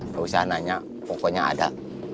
nggak usah nanya pokoknya ada